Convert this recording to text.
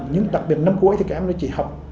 những đặc biệt năm cuối thì các em chỉ học